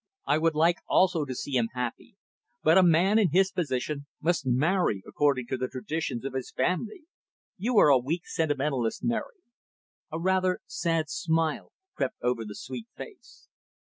"I would like also to see him happy. But a man in his position must marry according to the traditions of his family. You are a weak sentimentalist, Mary." A rather sad smile crept over the sweet face.